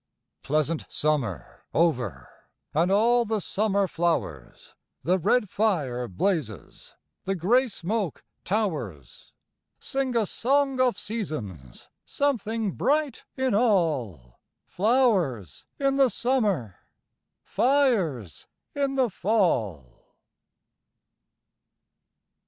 Pleasant summer over And all the summer flowers, The red fire blazes, The grey smoke towers. Sing a song of seasons! Something bright in all! Flowers in the summer, Fires in the fall!